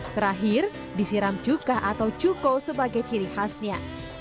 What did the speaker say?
terakhir disiram cukah atau cuko sebagai ciri khasnya